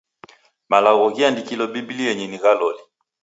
Malagho ghiandikilo Bibilienyi ni gha loli.